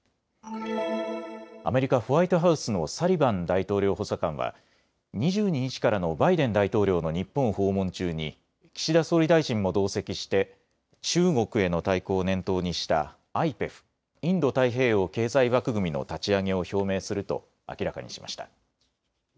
アメリカ・ホワイトハウスのサリバン大統領補佐官は２２日からのバイデン大統領の日本訪問中に岸田総理大臣も同席して中国への対抗を念頭にしたＩＰＥＦ・インド太平洋経済枠組みの立ち上げを表明すると明らかにしました。